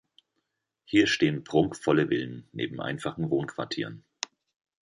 Hier stehen prunkvolle Villen neben einfachen Wohnquartieren.